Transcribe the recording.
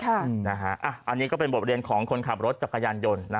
อันนี้ก็เป็นบทเรียนของคนขับรถจักรยานยนต์